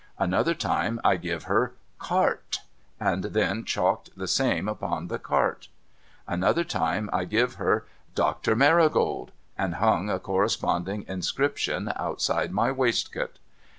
Another time I give her CART, and then chalked the same upon the cart. Another time I give her DOCTOR MARI GOLD, and hung a corresponding inscription outside my waistcoat.